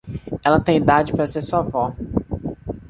Ela tem idade para ser sua vó.